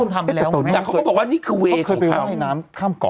เดี๋ยวก็บอกว่านี่คือเวยของเขา